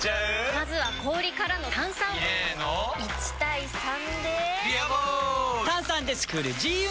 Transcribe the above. まずは氷からの炭酸！入れの１：３で「ビアボール」！